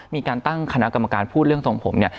มีการตั้งคณะกรรมการพูดเรื่องทรงผมเนี่ย